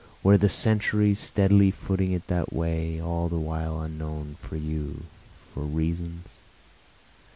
Were the centuries steadily footing it that way, all the while unknown, for you, for reasons?